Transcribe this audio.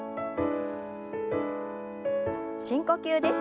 深呼吸です。